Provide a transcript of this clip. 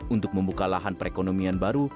untuk membuka lahan perekonomian baru